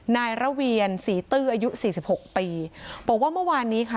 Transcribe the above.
นายระเวียนศรีตื้ออายุสี่สิบหกปีบอกว่าเมื่อวานนี้ค่ะ